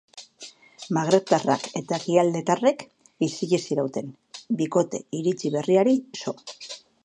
Magrebtarrak eta ekialdetarrek isilik zirauten, bikote iritsi berriari so.